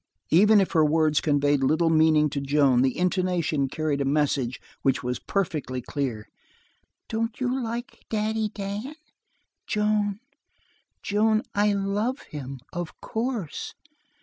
Even if her words conveyed little meaning to Joan, the intonation carried a message which was perfectly clear. "Don't you like Daddy Dan?" "Joan, Joan, I love him! Of course."